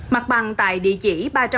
mặt bằng tại địa chỉ